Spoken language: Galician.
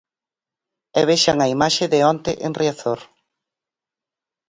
E vexan a imaxe de onte en Riazor.